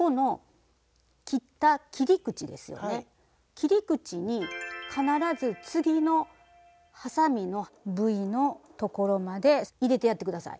切り口に必ず次のはさみのＶのところまで入れてやって下さい。